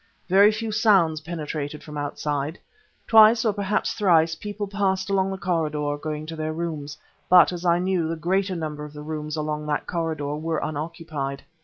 Very few sounds penetrated from outside. Twice or perhaps thrice people passed along the corridor, going to their rooms; but, as I knew, the greater number of the rooms along that corridor were unoccupied.